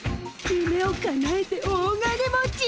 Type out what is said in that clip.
ゆめをかなえて大金持ち！